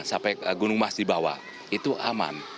sampai gunung mas di bawah itu aman